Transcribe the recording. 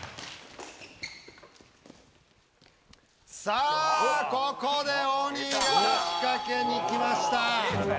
さあここで鬼が仕掛けにきました。